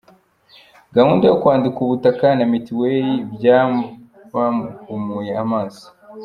Gahunda yo kwandika ubutaka na mitiweli byabahumuye amaso.